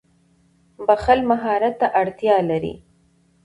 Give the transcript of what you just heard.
• بښل مهارت ته اړتیا لري.